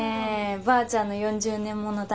ばあちゃんの４０年物だ。